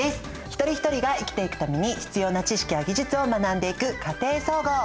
一人一人が生きていくために必要な知識や技術を学んでいく「家庭総合」。